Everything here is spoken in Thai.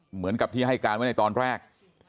เหมือนกับที่ให้การไว้ในตอนแรก